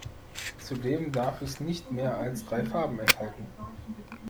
Zudem darf es nicht mehr als drei Farben enthalten.